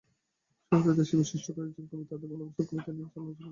শুরুতেই দেশের বিশিষ্ট কয়েকজন কবি তাঁদের ভালোবাসার কবিতা নিয়ে আলোচনা করবেন।